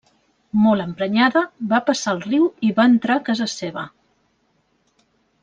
Molt emprenyada, va passar el riu i va entrar a casa seva.